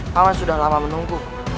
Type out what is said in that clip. paman sudah lama menunggu